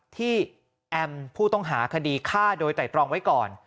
แอมผู้ต้องหาคดีฆ่าโดยไตรตรองไว้ก่อน